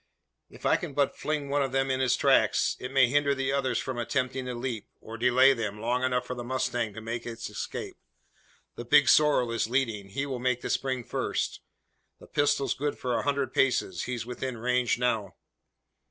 "If I can but fling one of them in his tracks, it may hinder the others from attempting the leap; or delay them long enough for the mustang to make its escape. The big sorrel is leading. He will make the spring first. The pistol's good for a hundred paces. He's within range now!"